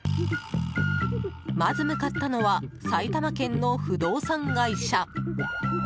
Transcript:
まず向かったのは埼玉県の不動産会社。